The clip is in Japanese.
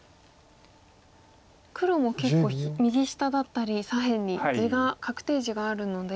黒も結構右下だったり左辺に確定地があるので。